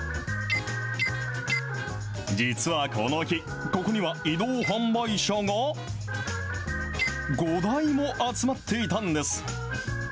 実はこの日、ここには移動販売車が５台も集まっていたんです。